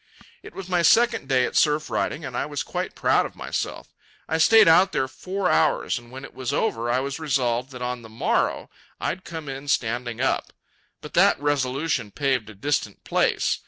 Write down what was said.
It was my second day at surf riding, and I was quite proud of myself. I stayed out there four hours, and when it was over, I was resolved that on the morrow I'd come in standing up. But that resolution paved a distant place.